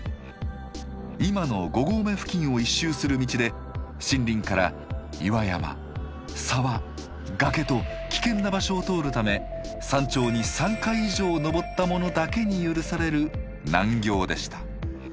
今の５合目付近を１周する道で森林から岩山沢崖と危険な場所を通るため山頂に３回以上登った者だけに許される難行でした。